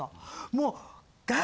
もう。